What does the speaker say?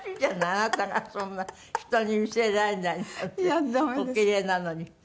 あなたがそんな人に見せられないのっておキレイなのに。